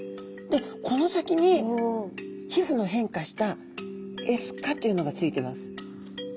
でこの先に皮膚の変化したエスカというのがついています。